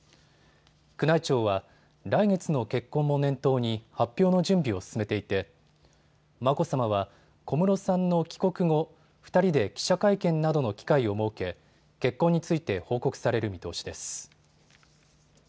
宮内庁は来月の結婚も念頭に発表の準備を進めていて眞子さまは小室さんの帰国後、２人で記者会見などの機会を設け結婚について報告される見通しです。